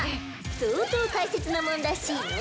相当大切なもんらしいのう。